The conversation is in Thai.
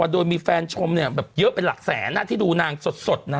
โดยมีแฟนชมเยอะไปหลักแสนที่ดูนางสด